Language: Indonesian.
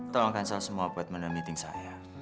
tolong cancel semua appointment dan meeting saya